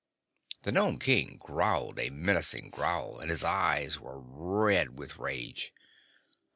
The Nome King growled a menacing growl and his eyes were red with rage.